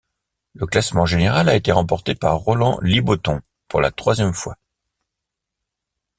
Le classement général a été remporté par Roland Liboton pour la troisième fois.